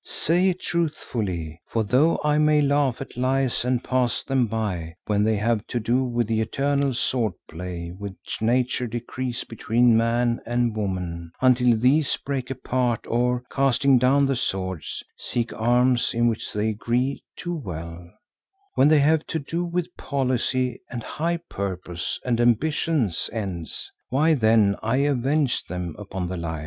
Say it and truthfully, for though I may laugh at lies and pass them by when they have to do with the eternal sword play which Nature decrees between man and woman, until these break apart or, casting down the swords, seek arms in which they agree too well, when they have to do with policy and high purpose and ambition's ends, why then I avenge them upon the liar."